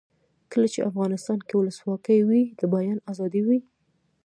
کله چې افغانستان کې ولسواکي وي د بیان آزادي وي.